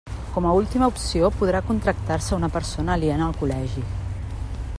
Com a última opció, podrà contractar-se una persona aliena al col·legi.